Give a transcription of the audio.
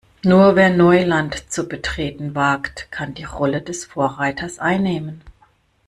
Nur wer Neuland zu betreten wagt, kann die Rolle des Vorreiters einnehmen.